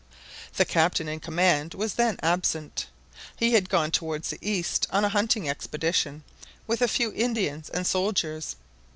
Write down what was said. The captain in command was then absent. He had gone towards the east on a hunting expedition with a few Indians and soldiers.